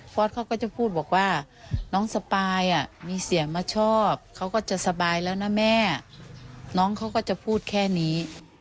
สเขาก็จะพูดบอกว่าน้องสปายมีเสียงมาชอบเขาก็จะสบายแล้วนะแม่น้องเขาก็จะพูดแค่นี้